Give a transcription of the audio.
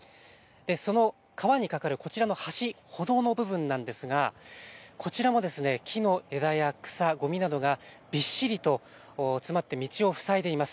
その川に架かるこちらの橋歩道の部分なんですが、こちらも木の枝や草、ごみなどがびっしりと詰まって道を塞いでいます。